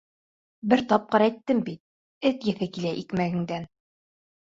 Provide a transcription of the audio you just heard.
— Бер тапҡыр әйттем бит, эт еҫе килә икмәгеңдән.